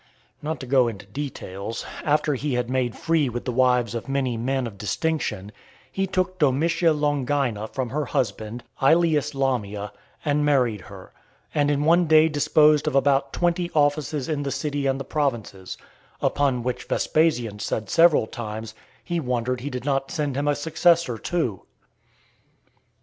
Not to go into details, after he had made free with the wives of many men of distinction, he took Domitia Longina from her husband, Aelias Lamia, and married her; and in one day disposed of above twenty offices in the city and the provinces; upon which Vespasian said several times, "he wondered he did not send him a successor too."